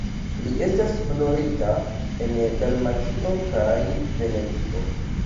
Li estas honorita en Dalmatio kaj Venecio.